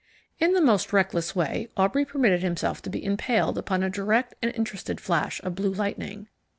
In the most reckless way, Aubrey permitted himself to be impaled upon a direct and interested flash of blue lightning.